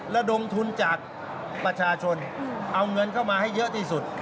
ระดมทุนจากประชาชนเอาเงินเข้ามาให้เยอะที่สุด